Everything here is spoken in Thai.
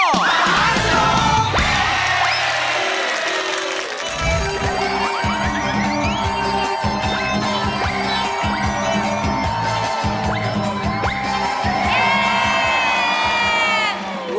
เย้